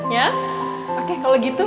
ya oke kalau gitu